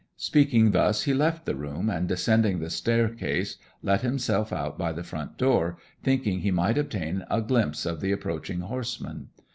Speaking thus he left the room, and descending the staircase let himself out by the front door, thinking he might obtain a glimpse of the approaching horseman.